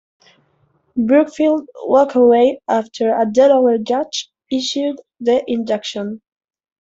Brookfield walked away after a Delaware judge issued the injunction.